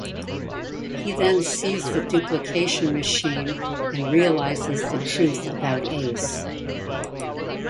He then sees the duplication machine and realises the truth about Ace.